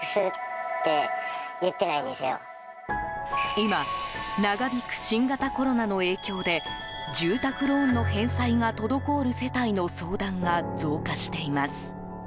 今、長引く新型コロナの影響で住宅ローンの返済が滞る世帯の相談が増加しています。